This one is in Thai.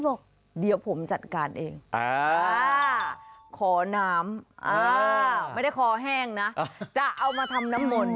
บอกเดี๋ยวผมจัดการเองขอน้ำไม่ได้คอแห้งนะจะเอามาทำน้ำมนต์